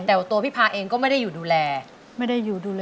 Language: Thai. แต่ว่าตัวพี่พาเองก็ไม่ได้อยู่ดูแลไม่ได้อยู่ดูแล